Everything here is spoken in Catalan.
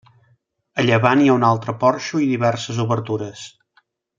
A llevant hi ha un altre porxo i diverses obertures.